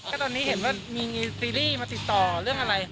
ได้ตอนนี้เห็นความว่ามีในซีรีส์มาถิตรเรื่องอะไร